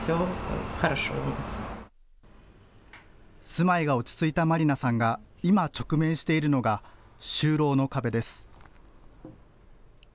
住まいが落ち着いたマリナさんが、今、直面しているのが、就労の壁です。